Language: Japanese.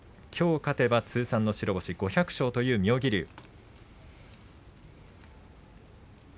きょう勝てば通算の白星５００勝という妙義龍。